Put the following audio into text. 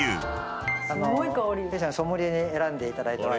弊社のソムリエに選んでいただいたワイン。